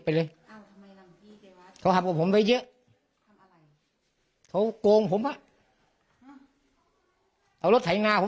ไปเลยเขาหาบอกผมไปเยอะเขาโกงผมอ่ะเอารถไถหน้าผม